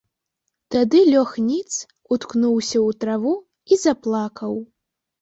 Тады лёг ніц, уткнуўся ў траву і заплакаў.